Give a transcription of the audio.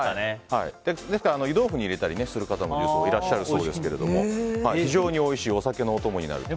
湯豆腐に入れたりする方もいらっしゃるそうですが非常においしいお酒のお供になると。